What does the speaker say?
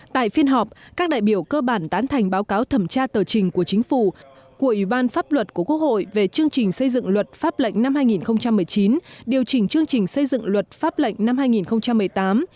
tại phiên họp các đại biểu cơ bản tán thành báo cáo thẩm tra tờ trình của chính phủ của ủy ban pháp luật của quốc hội về chương trình xây dựng luật pháp lệnh năm hai nghìn một mươi chín điều chỉnh chương trình xây dựng luật pháp lệnh năm hai nghìn một mươi tám